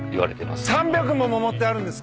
３００も桃ってあるんですか！？